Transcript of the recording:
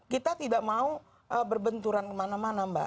kita tidak mau berbenturan kemana mana mbak